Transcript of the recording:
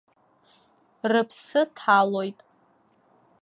Рыԥсы ҭалоит.